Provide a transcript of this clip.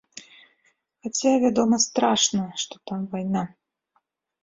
Хаця, вядома, страшна, што там вайна.